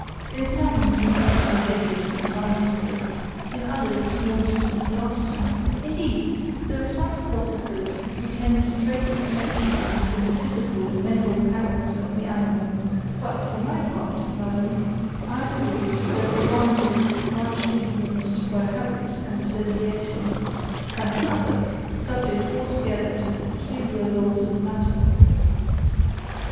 In some, impressions are vivid and transitory; in others, more deep and lasting: indeed, there are some philosophers who pretend to trace a connection between the physical and mental powers of the animal; but, for my part, madam, I believe that the one is much influenced by habit and association, and the other subject altogether to the peculiar laws of matter."